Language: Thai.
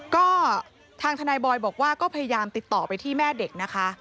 ก็ทางทนายบอยบอกว่าก็พยายามติดต่อไปที่แม่เด็กนะคะ